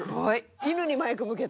犬にマイク向けて。